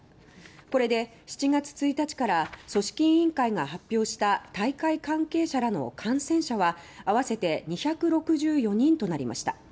これで７月１日から組織委員会が発表した大会関係者らの感染者はあわせて２６４人となりました。